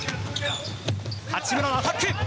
八村のアタック！